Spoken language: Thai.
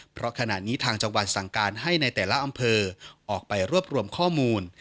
เพราะขณะนี้ทางจังหวัดสั่งการให้ในแต่ละอำเภอออกไปรวบรวมข้อมูล